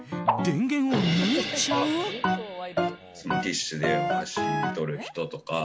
電源を抜いちゃう？え？